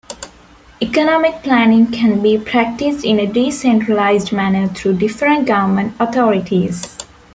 Economic planning can be practiced in a decentralized manner through different government authorities.